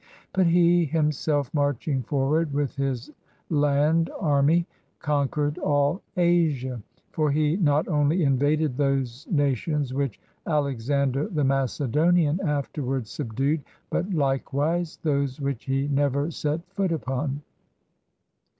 But he himself, marching forward with his land army, conquered all Asia; for he not only invaded those nations which Alexander the Macedonian afterwards subdued, but Ukewise those which he never set foot upon.